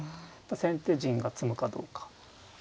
先手陣が詰むかどうか。